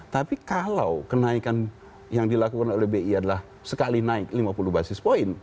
tapi kalau kenaikan yang dilakukan oleh bi adalah sekali naik lima puluh basis point